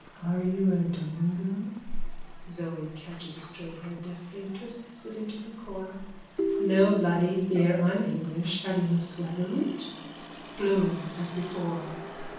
_ Are you a Dublin girl? ZOE: (Catches a stray hair deftly and twists it to her coil.) No bloody fear. I'm English. Have you a swaggerroot? BLOOM: _(As before.)